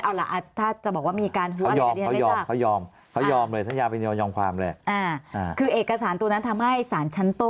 เอาล่ะถ้าจะบอกว่ามีการหัวอะไรอย่างนี้ท่านไม่ทราบ